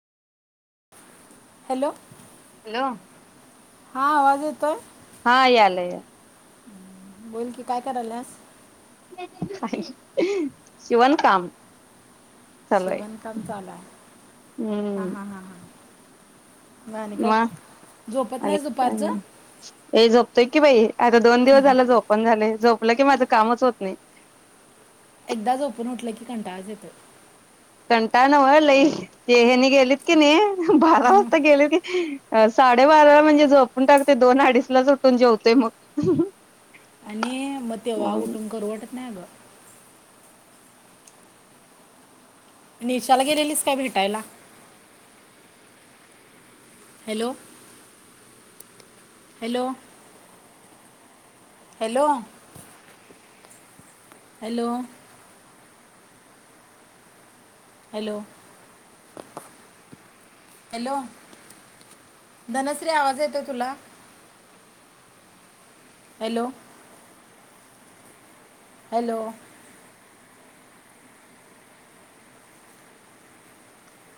Hello hello हा आवाज येतोय? हा यायला या बोल की काय करायल्यास? शिवणकाम शिवणकाम चालूय हा हम्म. हा हा. म झोपत आणि नाहीस काय दुपारचं म हे झोपतोय की बाई आता दोन दिवस झाल झोपन झालय झोपल की माझ कामच होत नाय. एकदा झोपून उठल की कंटाळाच येतोय त्या नव्ह लय ह्यांनी गेलीत की नाय. बारा वाजता गेलो की, अ साडेबाराला म्हणजे झोपून टाकतोय दोन अडीच लाच उटून जेवतोय मग आणि मग तेव्हा उठून करू वाटत नाही अग. निशाला गेलेलीस काय भेटायला? Hello hello hello hello? Hello! Hello? Dhanashree आवाज येतोय तुला? हॅलो! हॅलो!